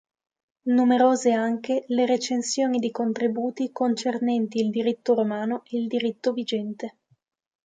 Numerose anche le recensioni di contributi concernenti il diritto romano e il diritto vigente.